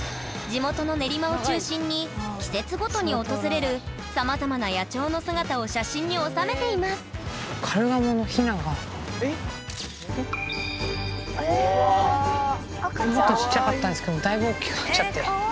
地元の練馬を中心に季節ごとに訪れるさまざまな野鳥の姿を写真に収めていますうわ